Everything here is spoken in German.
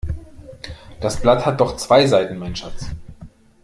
Das Blatt hat doch zwei Seiten, mein Schatz.